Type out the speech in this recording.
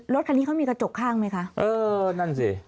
รถคันนี้เขามีกระจกข้างไหมคะเออนั่นสิ